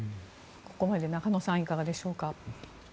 ここまでで中野さんいかがでしょうか。